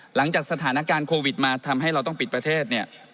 หลังจากสถานการณ์โควิดมาทำให้เราต้องปิดประเทศเนี่ย